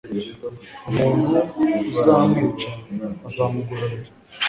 umuntu uzamwica azamugororera